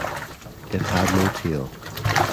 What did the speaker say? It had no tail.